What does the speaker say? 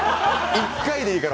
１回でいいから。